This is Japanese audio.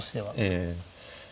ええ。